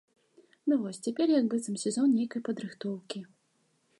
Ну, вось цяпер як быццам сезон нейкай падрыхтоўкі.